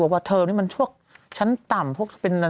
ว่าเธอนี่มันช่วงชั้นต่ำพวกเป็น